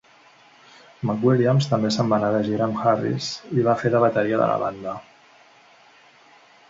McWilliams també se'n va anar de gira amb Harris i va fer de bateria de la banda.